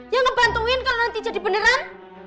ya ngebantuin kalau nanti jadi beneran